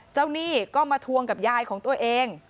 หนี้ก็มาทวงกับยายของตัวเอง